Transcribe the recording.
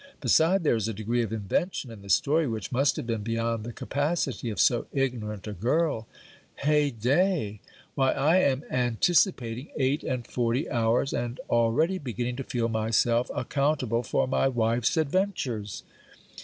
Beside, there is a degree of invention in the story which must have been beyond the capacity of so ignorant a girl. Heyday! Why I am anticipating eight and forty hours, and already beginning to feel myself accountable for my wife's adventures!